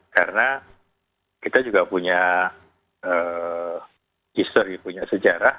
karena kita juga punya history punya sejarah